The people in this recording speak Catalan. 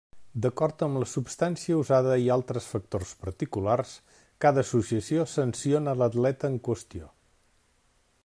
D'acord amb la substància usada i altres factors particulars, cada associació sanciona l'atleta en qüestió.